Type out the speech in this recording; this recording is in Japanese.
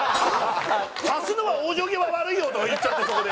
「足すのは往生際悪いよ」とか言っちゃってそこで。